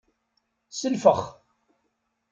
Selfex.